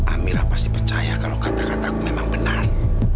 amira pasti percaya kalau kata kataku memang benar